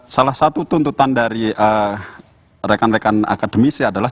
salah satu tuntutan dari rekan rekan akademisi adalah